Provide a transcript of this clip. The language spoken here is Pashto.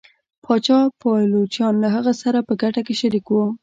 پاچا پلویان له هغه سره په ګټه کې شریک وو.